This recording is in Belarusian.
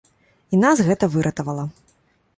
І нас гэта выратавала.